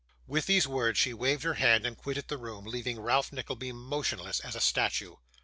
With these words, she waved her hand, and quitted the room, leaving Ralph Nickleby motionless as a statue.